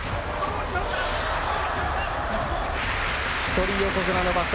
一人横綱の場所